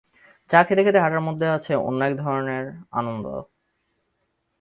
চা খেতে-খেতে হাঁটার মধ্যে অন্য এক ধরনের আনন্দ আছে।